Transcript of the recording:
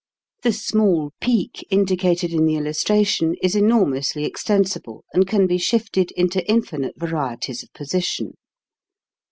The small peak indicated in the illustra tion is enormously extensible and can be shifted into infinite varieties of position.